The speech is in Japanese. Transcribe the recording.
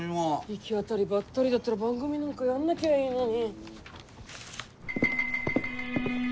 行き当たりばったりだったら番組なんかやんなきゃいいのに。